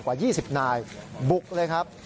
กว่า๒๐นายบุกเลยครับ